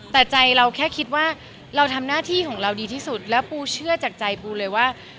แต่ใจเราแค่คิดว่าเราทำหน้าที่ของเราดีที่สุดแล้วปูเชื่อจากใจปูเลยว่า